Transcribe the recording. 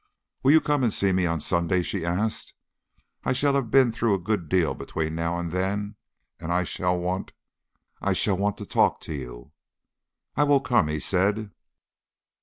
"Will you come and see me on Sunday?" she asked. "I shall have been through a good deal between now and then, and I shall want I shall want to talk to you." "I will come," he said.